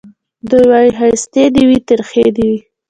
دی وايي ښايستې دي وي ترخې دي وي